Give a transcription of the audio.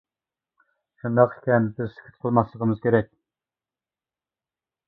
شۇنداق ئىكەن، بىز سۈكۈت قىلماسلىقىمىز كېرەك.